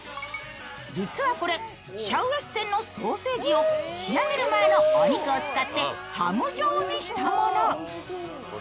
実はこれ、シャウエッセンのソーセージを仕上げる前のお肉を使ってハム状にしたもの。